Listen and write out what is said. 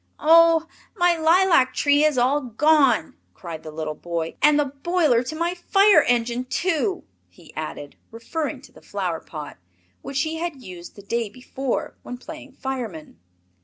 "Oh, my lilac tree is all gone!" cried the little boy. "And the boiler to my fire engine, too," he added, referring to the flower pot, which he had used the day before when playing fireman.